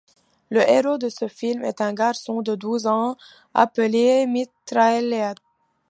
Le héros de ce film est un garçon de douze ans appelé Mitraillette.